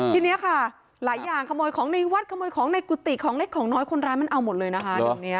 ทีนี้ค่ะหลายอย่างขโมยของในวัดขโมยของในกุฏิของเล็กของน้อยคนร้ายมันเอาหมดเลยนะคะ